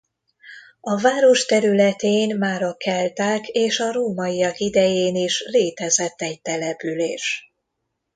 A város területén már a kelták és a rómaiak idején is létezett egy település.